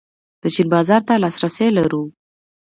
د چین بازار ته لاسرسی لرو؟